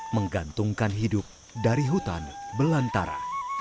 menggantungkan hidup dari hutan belantara